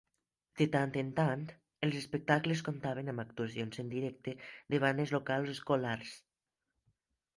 De tant en tant, els espectacles comptaven amb actuacions en directe de bandes locals o escolars.